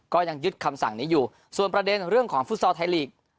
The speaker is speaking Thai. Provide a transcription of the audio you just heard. ก็ยังยึดคำสั่งนี้อยู่ส่วนประเด็นเรื่องของฟุตซอลไทยลีก